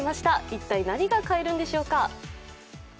一体、何が買えるんでしょうか？